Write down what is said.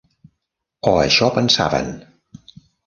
O això pensaven.